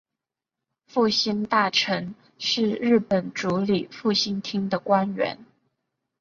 复兴大臣是日本主理复兴厅的官员。